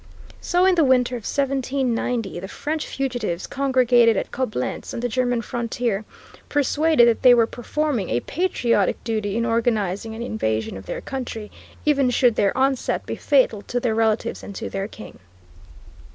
So in the winter of 1790 the French fugitives congregated at Coblentz on the German frontier, persuaded that they were performing a patriotic duty in organizing an invasion of their country even should their onset be fatal to their relatives and to their King.